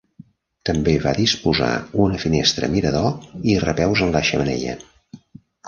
També va disposar una finestra mirador i repeus en la xemeneia.